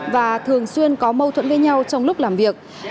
và thường xuyên có mâu thuẫn với nhau trong lúc làm việc